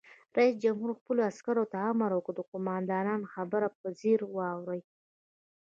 رئیس جمهور خپلو عسکرو ته امر وکړ؛ د قومندان خبره په ځیر واورئ!